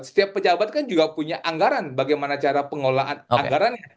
setiap pejabat kan juga punya anggaran bagaimana cara pengelolaan anggaran